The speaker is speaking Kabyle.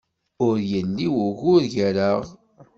Ur yelli wugur gar-aɣ.